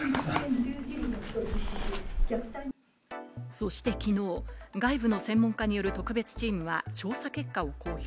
そしてきのう、外部の専門家による特別チームは調査結果を公表。